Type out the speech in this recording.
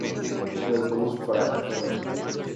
El autobús pasa cada hora.